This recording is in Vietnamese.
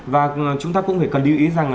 và chúng ta cũng phải cần lưu ý rằng